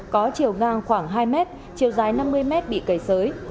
có chiều ngang khoảng hai m chiều dài năm mươi m bị cây sới